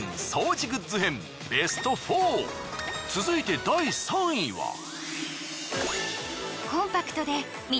続いて第３位は。